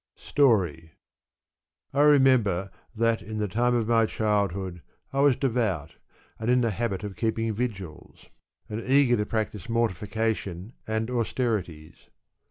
^ Story. I remember that, in the time of my childhood, I was devout^ and in the habit of keeping vigils, and eager to practise mortification and austerities.